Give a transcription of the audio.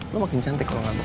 lo makin cantik kalau nggak